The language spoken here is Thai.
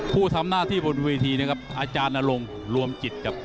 ผู้ทำหน้าที่บนเวทีนะครับอาจารย์นรงค์รวมจิตครับ